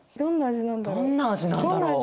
どんな味なんだろう？